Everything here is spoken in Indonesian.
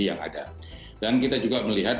yang ada dan kita juga melihat